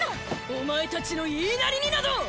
お前たちの言いなりになど。